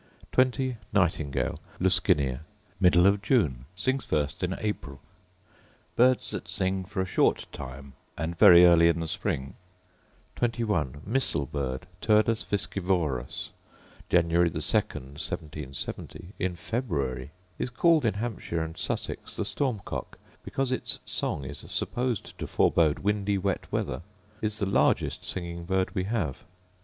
20. Nightingale, Luscinia: Middle of June: sings first in April. Birds that sing for a short tune, and very early in the spring: 21. Missel bird, Turdus viscivorus: January the 2nd, 1770, in February. Is called in Hampshire and Sussex the storm cock, because its song is supposed to forebode windy wet weather: is the largest singing bird we have.